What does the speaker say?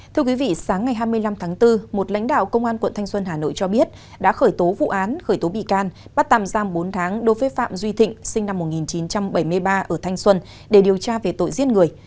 thưa quý vị sáng ngày hai mươi năm tháng bốn một lãnh đạo công an quận thanh xuân hà nội cho biết đã khởi tố vụ án khởi tố bị can bắt tạm giam bốn tháng đối với phạm duy thịnh sinh năm một nghìn chín trăm bảy mươi ba ở thanh xuân để điều tra về tội giết người